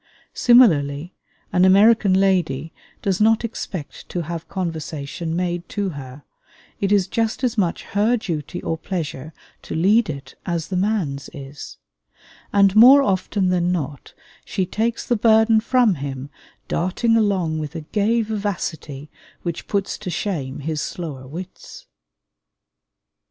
Similarly an American lady does not expect to have conversation made to her: it is just as much her duty or pleasure to lead it as the man's is; and more often than not she takes the burden from him, darting along with a gay vivacity which puts to shame his slower wits.